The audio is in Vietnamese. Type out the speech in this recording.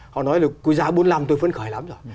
họ nói là giá bốn mươi năm tôi phân khởi lắm rồi